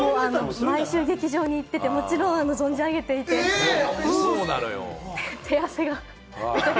毎週、劇場に行っていて、もちろん存じ上げていて、手汗が。